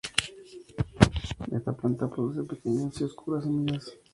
Esta planta produce pequeñas y oscuras semillas.